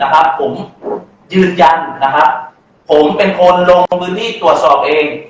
ผมยืนยันนะครับผมเป็นคนลงพื้นที่ตรวจสอบเอง